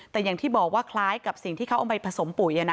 แต่อย่างที่บอกว่าคล้ายกับสิ่งที่เขาเอาไปผสมปุ๋ย